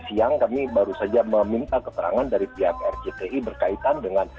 siang kami baru saja meminta keterangan dari pihak rcti berkaitan dengan